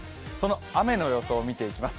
雨の予想を見ていきます。